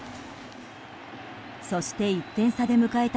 そして、１点差で迎えた